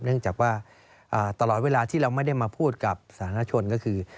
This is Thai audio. เนื่องจากว่าตลอดเวลาที่เราไม่ได้มาพูดกับสาธารณชนก็คือ